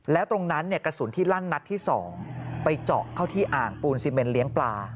แล้วตรงนั้นกระสุนที่ลั่นนัดที่๒ไปเจาะเข้าที่อ่างปูนซีเมนเลี้ยงปลา